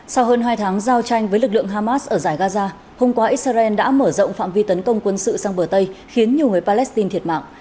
sau hơn hai tháng giao tranh với lực lượng hamas ở giải gaza hôm qua israel đã mở rộng phạm vi tấn công quân sự sang bờ tây khiến nhiều người palestine thiệt mạng